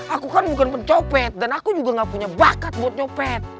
aku kan bukan pencopet dan aku juga gak punya bakat buat copet